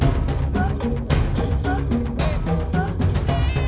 atau tiga orang di belakang